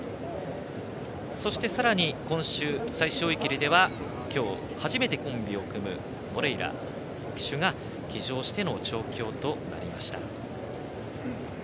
そしてさらに今週、最終追い切りでは今日、初めてコンビを組むモレイラ騎手が騎乗しての調教となりました。